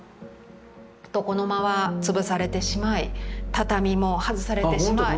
床の間は潰されてしまい畳も外されてしまい。